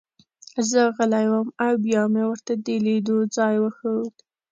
زه غلی وم او بیا مې ورته د لیدو ځای وښود